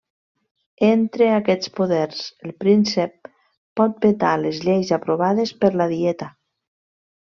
Entre aquests poders, el príncep pot vetar les lleis aprovades per la dieta.